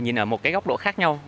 nhìn ở một cái góc độ khác nhau